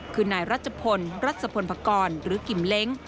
คือนายรัชพลรัชพลพกรหรือกิมเล้ง